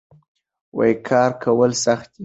کار کول سخت دي.